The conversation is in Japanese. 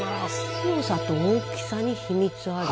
「強さと大きさにヒミツあり！」。